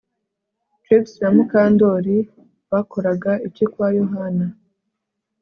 Trix na Mukandoli bakoraga iki kwa Yohana